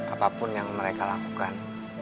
apapun yang mereka lakukan